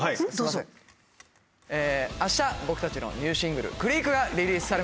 あした僕たちのニューシングル『ＣＲＥＡＫ』がリリースされます。